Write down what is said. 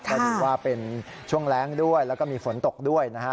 ก็ถือว่าเป็นช่วงแรงด้วยแล้วก็มีฝนตกด้วยนะฮะ